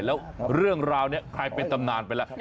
แล้วเรื่องราวนี้ใครเป็นตำนานไปแล้ว